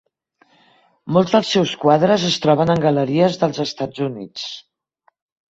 Molts dels seus quadres es troben en galeries dels Estats Units.